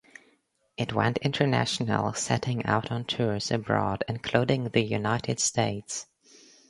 It went international setting out on tours abroad including the United States.